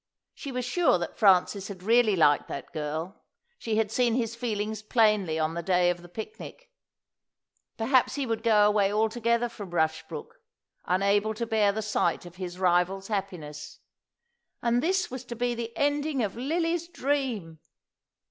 She was sure that Francis had really liked that girl; she had seen his feelings plainly on the day of the picnic. Perhaps he would go away altogether from Rushbrook, unable to bear the sight of his rival's happiness. And this was to be the ending of Lily's dream!